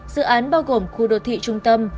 dự án bao gồm khu đô thị trung tâm